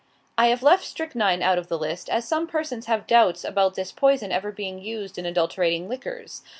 I have left strychnine out of the list, as some persons have doubts about this poison ever being used in adulterating liquors.